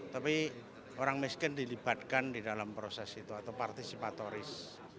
tapi orang miskin dilibatkan di dalam proses itu atau partisipatoris